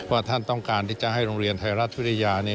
ท่านต้องการที่จะให้โรงเรียนไทยรัฐวิทยา